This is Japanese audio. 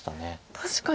確かに